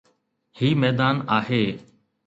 هي ميدان آهي.